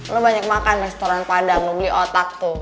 lo banyak makan restoran padang beli otak tuh